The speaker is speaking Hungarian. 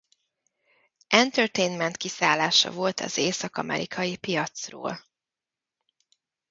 Entertainment kiszállása volt az Észak-Amerikai piacról.